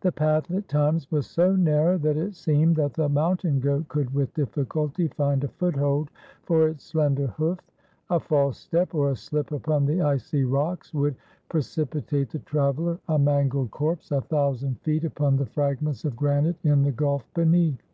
The path, at times, was so narrow, that it seemed that the mountain goat could with difficulty find a foothold for its slender hoof. A false step, or a slip upon the icy rocks, would precip itate the traveler, a mangled corpse, a thousand feet upon the fragments of granite in the gulf beneath.